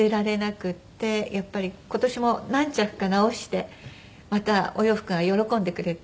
やっぱり今年も何着か直してまたお洋服が喜んでくれて。